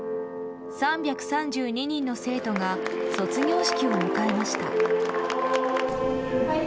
３３２人の生徒が卒業式を迎えました。